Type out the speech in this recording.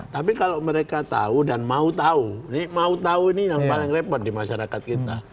tapi kalau mereka tahu dan mau tahu ini mau tahu ini yang paling repot di masyarakat kita